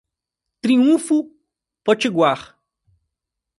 Triunfo Potiguar